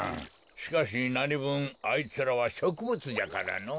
しかしなにぶんあいつらはしょくぶつじゃからのぉ。